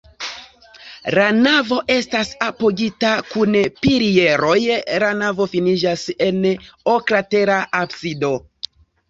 La navo estas apogita kun pilieroj, la navo finiĝas en oklatera absido.